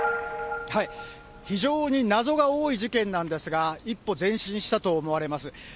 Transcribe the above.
非常に謎が多い事件なんですが、一歩前進したと思われます。